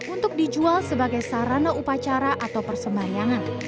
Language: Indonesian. untuk dijual sebagai sarana upacara atau persembahyangan